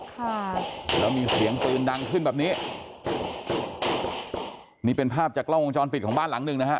ค่ะแล้วมีเสียงปืนดังขึ้นแบบนี้นี่เป็นภาพจากกล้องวงจรปิดของบ้านหลังหนึ่งนะฮะ